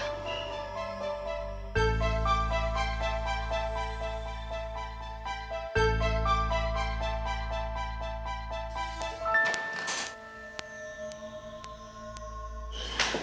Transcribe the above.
terima kasih boy